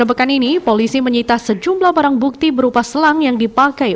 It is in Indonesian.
pada pekan ini polisi menyita sejumlah barang bukti berupa selang yang dipakai